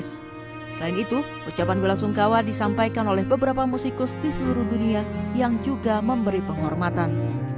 selain itu ucapan bela sungkawa disampaikan oleh beberapa musikus di seluruh dunia yang juga memberi penghormatan